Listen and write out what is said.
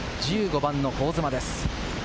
１５番の香妻です。